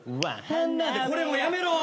「花」これもやめろ。